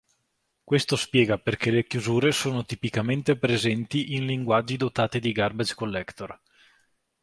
Questo spiega perché le chiusure sono tipicamente presenti in linguaggi dotati di garbage collector.